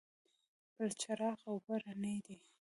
بلچراغ اوبه رڼې دي؟